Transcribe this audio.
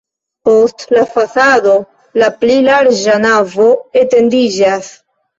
Post la fasado la pli larĝa navo etendiĝas.